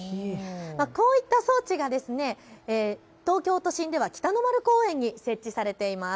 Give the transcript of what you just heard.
こういった装置が東京都心では北の丸公園に設置されています。